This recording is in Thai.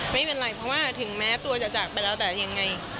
ไม่เป็นไรเพราะว่าถึงแม้ตัวจะจากไปแล้วแต่ยังไง